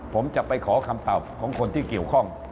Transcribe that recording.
ผมจะไปขอคำตอบของคนที่เกี่ยวข้อง